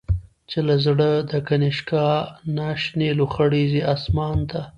چی له زړه د”کنشکا”نه، شنی لو خړی ځی آسمان ته